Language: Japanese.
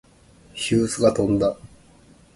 ヒューズが飛んだ。